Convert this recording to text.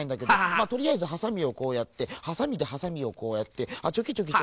まあとりあえずはさみをこうやってはさみでハサミをこうやってあっチョキチョキ。